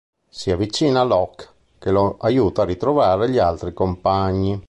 Si avvicina Locke, che lo aiuta a ritrovare gli altri compagni.